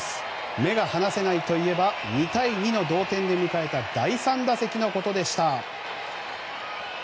目が離せないといえば２対２の同点で迎えた第３打席のことでした。